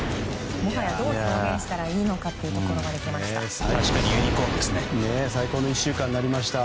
もはやどう表現したらいいのかというところまで来ました。